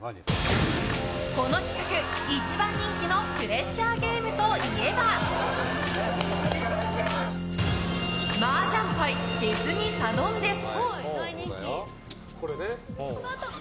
この企画、一番人気のプレッシャーゲームといえば麻雀牌手積みサドンデス。